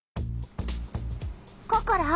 ココロ。